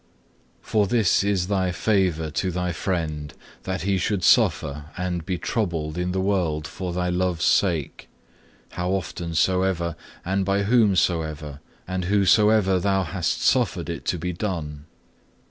4. For this is Thy favour to Thy friend, that he should suffer and be troubled in the world for Thy love's sake, how often soever, and by whomsoever and whosoever Thou hast suffered it to be done.